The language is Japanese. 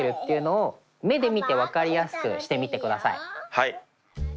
はい。